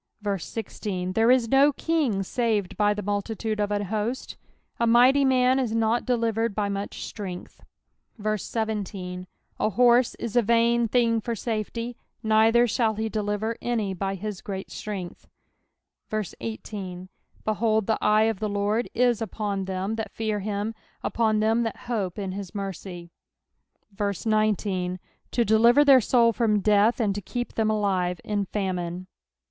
16 There is no kin^ saved by the multitude of an host ; a mighty man is not delivered by much strength. 17 An horse is a vain thing for safety ; neither shall he deliver any by his great strength. 18 Behold, the eye of the Lord is upon them that fear him, upon them that hope in his mercy ; 19 To deliver their soul from death, and to keep them alive in famine.